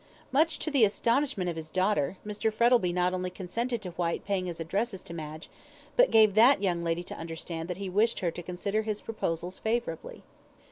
Much to the astonishment of his daughter, Mr. Frettlby not only consented to Whyte paying his addresses to Madge, but gave that young lady to understand that he wished her to consider his proposals favourably.